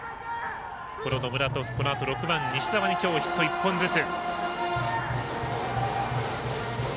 野村とこのあと６番、西澤にヒット１本ずつ。